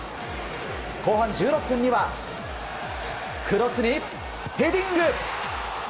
後半１６分にはクロスにヘディング！